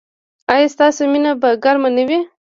ایا ستاسو مینه به ګرمه نه وي؟